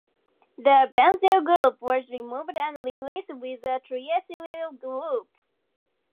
The benzyl group was removed and replaced with a triethylsilyl group.